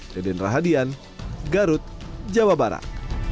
deden rahadian garut jawa barat